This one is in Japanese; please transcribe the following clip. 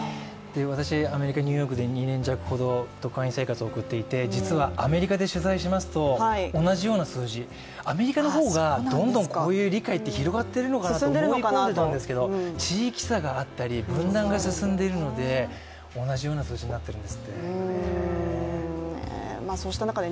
私、アメリカ・ニューヨークで２年半ほど特派員生活を送っていて実はアメリカで取材しますと同じような数字、アメリカの方がどんどんこういう理解って広がってるのかなって思い込んでたんですけど地域差があったり、分断が進んでいるので、同じような数字になっているそうです。